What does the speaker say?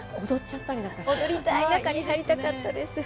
踊りたい、中に入りたかったです。